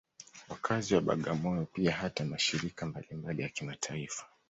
Wakazi wa Bagamoyo pia hata mashirika mbalimbali ya kimataifa